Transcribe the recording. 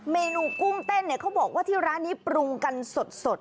เมนูกุ้งเต้นเนี่ยเขาบอกว่าที่ร้านนี้ปรุงกันสด